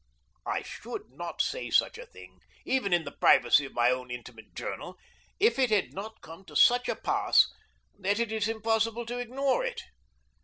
I should not say such a thing, even in the privacy of my own intimate journal, if it had not come to such a pass that it is impossible to ignore it.